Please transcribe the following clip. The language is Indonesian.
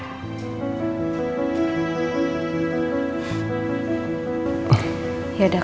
ya udah aku masuk ke kamar dulu ya